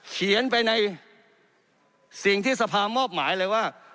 เขียนไปในสิ่งที่สภามอบหมายเลยว่า